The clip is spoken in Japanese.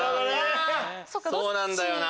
そうなんだよな